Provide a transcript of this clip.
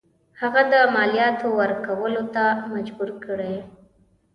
هغه د مالیاتو ورکولو ته مجبور کړي.